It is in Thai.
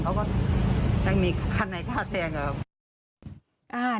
เขาก็แปลงมีคันในกล้าแซงกัน